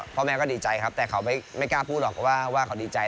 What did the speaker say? พ่อแม่ก็ดีใจครับแต่เขาไม่กล้าพูดหรอกว่าเขาดีใจ